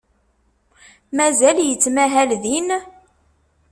Mazal yettmahal din?